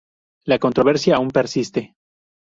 La controversia aún persiste.